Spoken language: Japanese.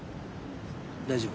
大丈夫？